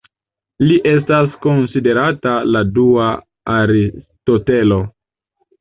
Li estas konsiderata la dua Aristotelo.